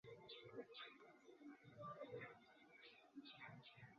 সারাজীবন ধরেই আমি কীসে ভালো, তা খুঁজে বেড়াচ্ছি আমি।